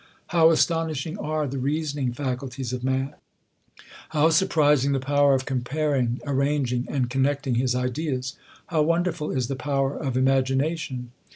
How as tonishing are the reasoning faculties of man ! How sur prising the power of comparing, arranging, and coi^ necting his ideas ! How wonderful is the power of iim agination